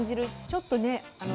ちょっとね